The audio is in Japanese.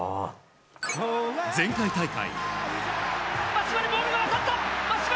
前回大会。